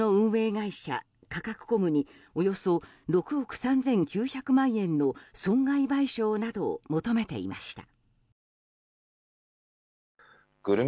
会社カカクコムにおよそ６億３９００万円の損害賠償などを求めていました。